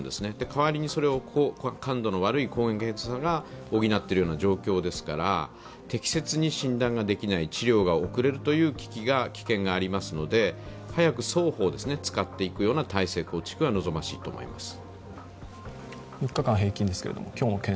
代わりに感度の悪い抗原検査が補っているような状況ですから適切に診断ができない、治療ができないという危機がありますので早く双方、使っていくような体制構築が望ましいと思います。